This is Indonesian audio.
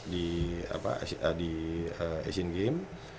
di apa di asean games